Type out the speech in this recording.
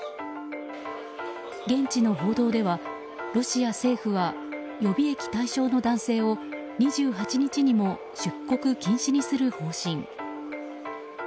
現地の報道ではロシア政府は予備役対象の男性を２８日にも出国禁止にする方針。